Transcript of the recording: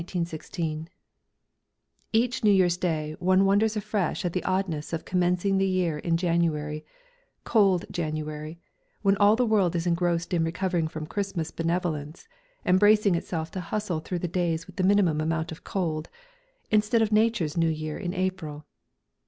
_ Each New Year's Day one wonders afresh at the oddness of commencing the year in January, cold January, when all the world is engrossed in recovering from Christmas benevolence and bracing itself to hustle through the days with the minimum amount of cold, instead of Nature's New Year in April.